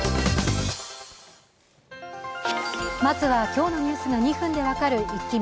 まずは今日のニュースが２分で分かるイッキ見。